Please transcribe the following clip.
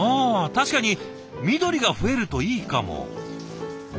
確かに緑が増えるといいかも。